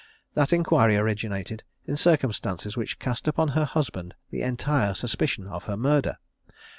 That inquiry originated in circumstances which cast upon her husband the entire suspicion of her murder.